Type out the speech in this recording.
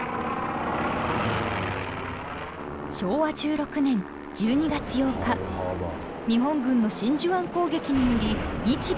昭和１６年１２月８日日本軍の真珠湾攻撃により日米が開戦。